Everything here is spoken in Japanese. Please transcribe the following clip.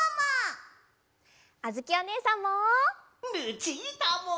あづきおねえさんも。